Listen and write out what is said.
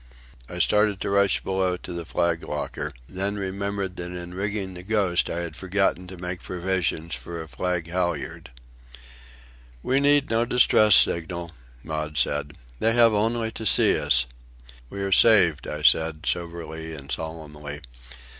I started to rush below to the flag locker, then remembered that in rigging the Ghost I had forgotten to make provision for a flag halyard. "We need no distress signal," Maud said. "They have only to see us." "We are saved," I said, soberly and solemnly.